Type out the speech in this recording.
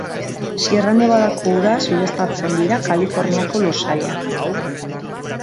Sierra Nevadako uraz ureztatzen dira Kaliforniako lursailak.